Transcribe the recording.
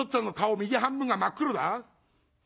右半分が真っ黒だ』。